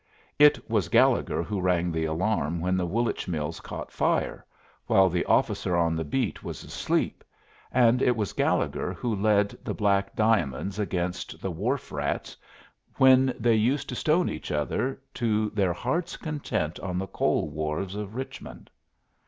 It was Gallegher who rang the alarm when the Woolwich Mills caught fire, while the officer on the beat was asleep, and it was Gallegher who led the "Black Diamonds" against the "Wharf Rats," when they used to stone each other to their heart's content on the coal wharves of Richmond.